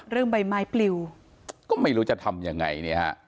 ใบไม้ปลิวก็ไม่รู้จะทำยังไงเนี่ยฮะ